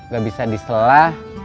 gak bisa diselah